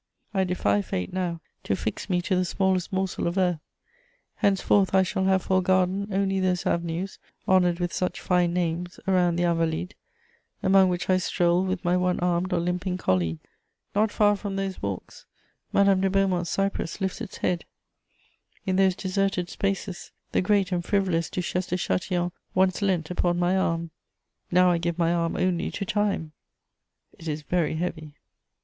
I defy fate now to fix me to the smallest morsel of earth; henceforth I shall have for a garden only those avenues, honoured with such fine names, around the Invalides, along which I stroll with my one armed or limping colleagues. Not far from those walks, Madame de Beaumont's cypress lifts its head; in those deserted spaces, the great and frivolous Duchesse de Châtillon once leant upon my arm. Now I give my arm only to time: it is very heavy!